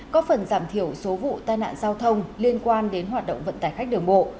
có phần giảm thiểu số vụ tai nạn giao thông liên quan đến hoạt động vận tải khách đường bộ